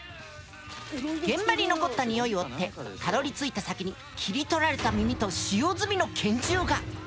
現場に残った匂いを追ってたどりついた先に切り取られた耳と使用済みの拳銃が！